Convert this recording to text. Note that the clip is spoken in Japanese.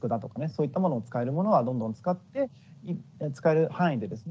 そういったものを使えるものはどんどん使って使える範囲でですね